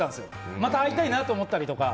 また会いたいなと思ったりとか。